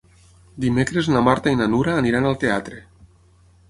Dimecres na Marta i na Nura aniran al teatre.